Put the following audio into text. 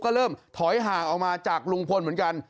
ก็เริ่มถอยห่างออกมาจากลุงพลเหมือนกัน